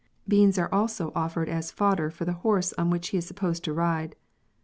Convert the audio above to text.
Beans are also offered as fodder for the horse on which he is supposed to ride.